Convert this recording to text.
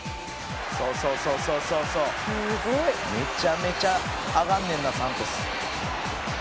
「そうそうそうそうそうそう」「すごい」「めちゃめちゃ上がんねんな三都主」